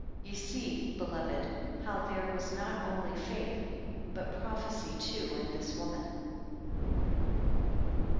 Ye see, beloved, how there was not only faith, but prophesy too in this woman.